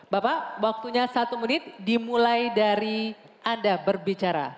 bapak waktunya satu menit dimulai dari anda berbicara